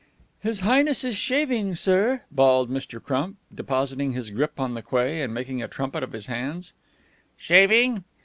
"His Highness is shaving, sir!" bawled Mr. Crump, depositing his grip on the quay and making a trumpet of his hands. "Shaving!"